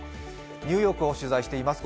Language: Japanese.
ニューヨークを取材しています。